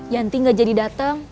yanti gak jadi dateng